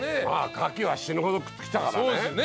かきは死ぬほど食ってきたからね。